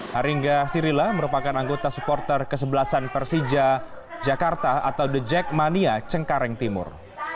haringga sirla merupakan anggota supporter kesebelasan persija jakarta atau the jack mania cengkaring timur